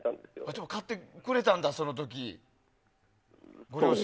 でも買ってくれたんだ、その時。